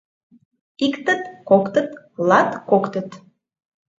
Иктыт, коктыт — латкоктыт